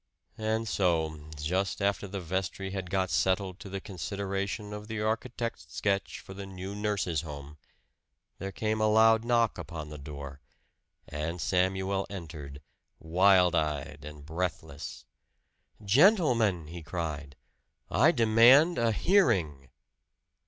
And so, just after the vestry had got settled to the consideration of the architect's sketch for the new Nurse's Home, there came a loud knock upon the door, and Samuel entered, wild eyed and breathless. "Gentlemen!" he cried. "I demand a hearing!"